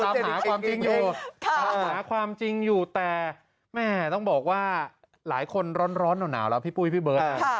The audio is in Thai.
ตามหาความจริงอยู่แต่แม่ต้องบอกว่าหลายคนร้อนเหนาแล้วพี่ปุ้ยพี่เบิร์ด